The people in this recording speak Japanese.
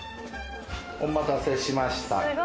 お待たせしました。